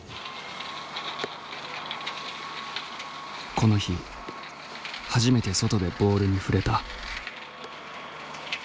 この日初めて外でボールに触れた。